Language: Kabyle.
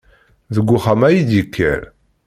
Deg uxxam-a i d-yekker.